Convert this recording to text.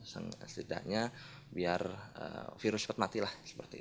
setidaknya biar virus cepat mati lah